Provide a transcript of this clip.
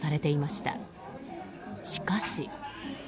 しかし。